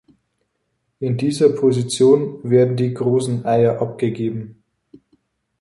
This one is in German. In dieser Position werden die großen Eier abgegeben.